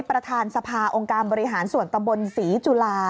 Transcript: ประธานสภาองค์การบริหารส่วนตำบลศรีจุฬา